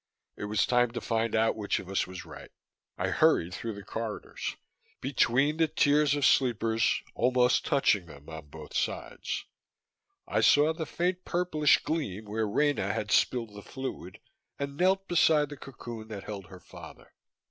It was time to find out which of us was right. I hurried through the corridors, between the tiers of sleepers, almost touching them on both sides. I saw the faint purplish gleam where Rena had spilled the fluid, and knelt beside the cocoon that held her father.